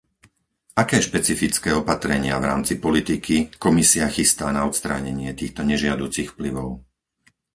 Aké špecifické opatrenia v rámci politiky Komisia chystá na odstránenie týchto nežiaducich vplyvov?